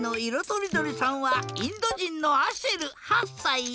とりどりさんはインドじんのアシェル８さい。